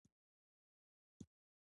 ملګری د رښتیني مینې مثال دی